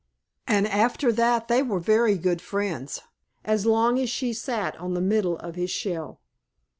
And after that they were very good friends as long as she sat on the middle of his shell.